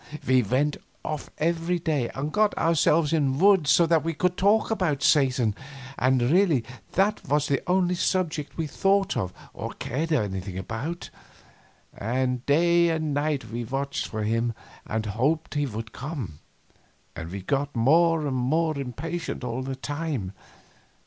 We went off every day and got to ourselves in the woods so that we could talk about Satan, and really that was the only subject we thought of or cared anything about; and day and night we watched for him and hoped he would come, and we got more and more impatient all the time.